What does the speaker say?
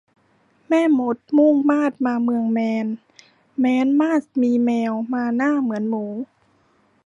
แม่มดมุ่งมาดมาเมืองแมนแม้นมาศมีแมวมาหน้าเหมือนหมู